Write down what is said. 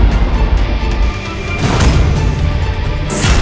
itu kata teman apaan